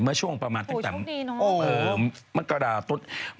เมื่อช่วงประมาณโอ้โฮช่วงดีเนอะ